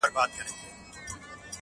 چې حمزه بابا لیکي